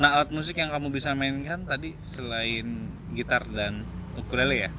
nah alat musik yang kamu bisa mainkan tadi selain gitar dan ukulele ya